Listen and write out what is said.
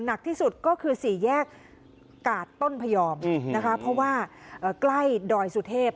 หนักที่สุดก็คือสี่แยกกาดต้นพยอมนะคะเพราะว่าใกล้ดอยสุเทพ